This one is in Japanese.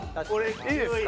いいですか？